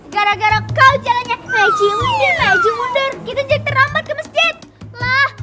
gara gara kau jalannya meji meji mundur mundur kita terlambat ke masjid lah